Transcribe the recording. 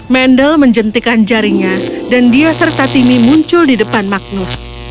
mendel menjentikan jarinya dan dia serta timmy muncul di depan magnus